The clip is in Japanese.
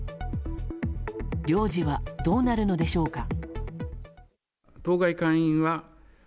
領事はどうなるのでしょうか。